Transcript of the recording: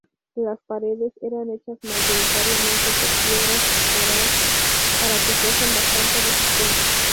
Las paredes eran hechas mayoritariamente por piedras y coral, para que fuesen bastante resistentes.